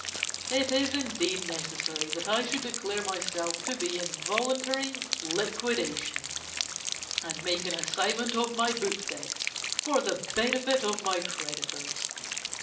It is indeed necessary that I should declare myself to be in voluntary liquidation, and make an assignment of my book debts for the benefit of my creditors.